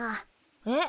えっ？